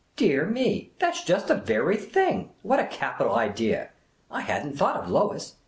" Dear me, that 's just the very thing. What a capital idea ! I never thought of Lois